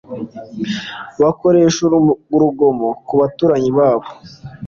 bakoresha urugomo ku baturanyi babo